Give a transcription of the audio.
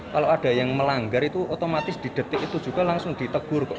kalau ada yang melanggar itu otomatis di detik itu juga langsung ditegur kok